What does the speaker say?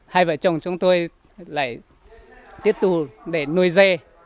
hai vợ chồng chúng tôi lại tiết tù để nuôi dê